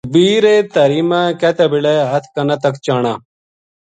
تکبیر تحریمہ کہتے بلے ہتھ کناں تک چانا